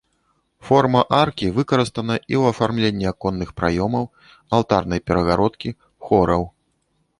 Форма аркі выкарыстана і ў афармленні аконных праёмаў, алтарнай перагародкі, хораў.